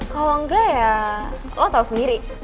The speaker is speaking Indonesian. kalo enggak ya lo tau sendiri